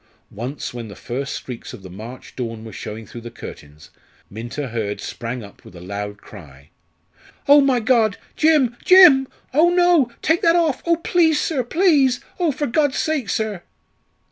Once when the first streaks of the March dawn were showing through the curtains Minta Hurd sprang up with a loud cry: "Oh, my God! Jim, Jim! Oh, no! take that off. Oh, please, sir, please! Oh, for God's sake, sir!"